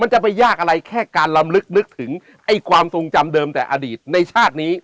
จะไปยากอะไรแค่การลำลึกนึกถึงไอ้ความทรงจำเดิมแต่อดีตในชาตินี้